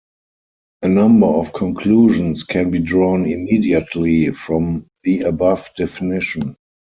A number of conclusions can be drawn immediately from the above definition.